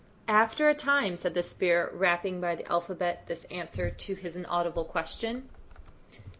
"After a time," said the spirit, rapping by the alphabet this answer to his inaudible question.